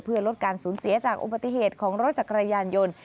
เพื่อลดการสูญเสียจากอุบัติเหตุของรถจักรยานยนต์